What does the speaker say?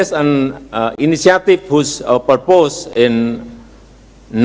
ini adalah inisiatif yang diputuskan